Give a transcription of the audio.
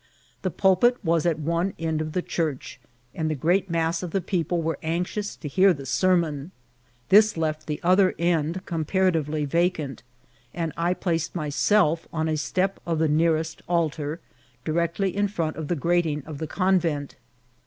The pulpit was at one end of the church, and the great mass of the people were anxious to hear the sermon. This left the other end comparatively va cant, and I placed myself on a step of the nearest altar, directly in front of the grating of the convent.